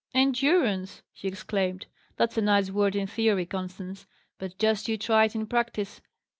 "Endurance!" he exclaimed. "That's a nice word in theory, Constance; but just you try it in practice!